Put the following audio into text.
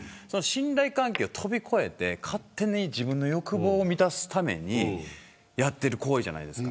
信頼関係を飛び越えて勝手に自分の欲望を満たすためにやってる行為じゃないですか。